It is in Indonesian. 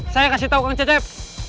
saya kasih tahu kang cecep